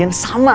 yang kita berdua